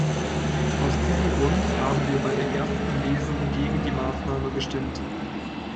Aus diesem Grund haben wir bei der ersten Lesung gegen die Maßnahme gestimmt.